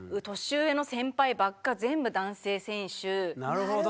なるほど。